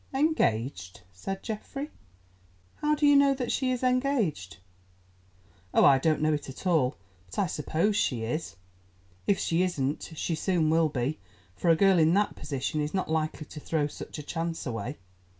"Engaged," said Geoffrey, "how do you know that she is engaged?" "Oh, I don't know it at all, but I suppose she is. If she isn't, she soon will be, for a girl in that position is not likely to throw such a chance away.